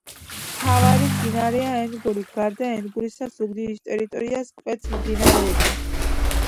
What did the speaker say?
მთავარი მდინარეა ენგური. გარდა ენგურისა ზუგდიდის ტერიტორიას კვეთს მდინარეები